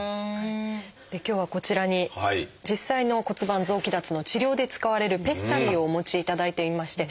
今日はこちらに実際の骨盤臓器脱の治療で使われるペッサリーをお持ちいただいていまして。